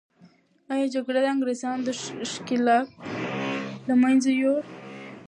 آیا جګړه د انګریزانو دښکیلاک له منځه یوړه؟